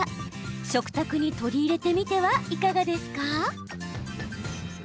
食卓に取り入れてみてはいかがですか？